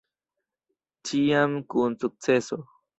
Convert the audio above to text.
Ĉiam kun sukceso.